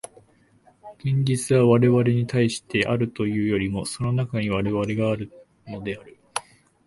現実は我々に対してあるというよりも、その中に我々があるのである。